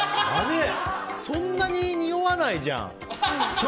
そんなに、におわないじゃん。